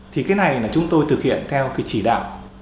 thì cái này là chúng tôi thực hiện theo cái chỉ đạo